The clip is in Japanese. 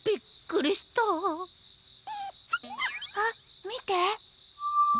あっみて。